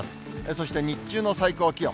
そして日中の最高気温。